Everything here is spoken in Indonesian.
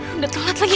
udah telat lagi